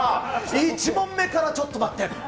１問目からちょっと待って。